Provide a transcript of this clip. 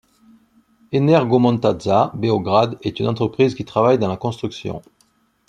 Energomontaža Beograd est une entreprise qui travaille dans la construction.